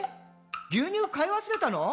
牛乳買い忘れたの？」